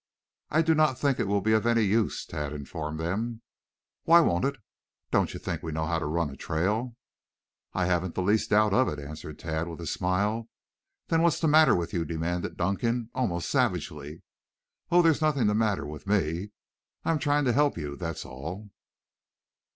"I do not think it will be of any use," Tad informed them. "Why won't it? Don't you think we know how to run a trail?" "I haven't the least doubt of it," answered Tad with a smile. "Then what's the matter with you?" demanded Dunkan almost savagely. "Oh, there's nothing the matter with me. I am trying to help you, that's all."